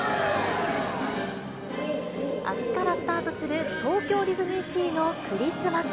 あすからスタートする東京ディズニーシーのクリスマス。